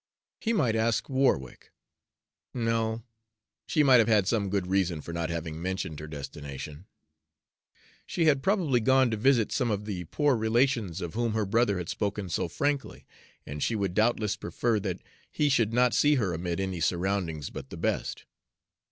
He might ask Warwick no, she might have had some good reason for not having mentioned her destination. She had probably gone to visit some of the poor relations of whom her brother had spoken so frankly, and she would doubtless prefer that he should not see her amid any surroundings but the best.